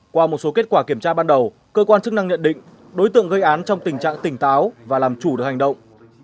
qua một số kết quả kiểm tra ban đầu cơ quan chức năng nhận định đối tượng gây án trong tình trạng tỉnh táo và làm chủ được hành động